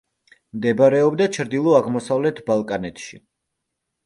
მდებარეობდა ჩრდილო-აღმოსავლეთ ბალკანეთში.